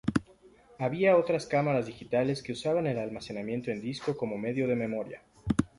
Había otras cámaras digitales que usaban el almacenamiento en disco como medio de memoria.